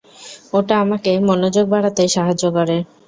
ওটা আমাকে মনোযোগ বাড়াতে সাহায্য করে!